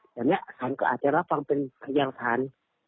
อย่างนี้ศาลก็อาจจะรับฟังเป็นอย่างฐาน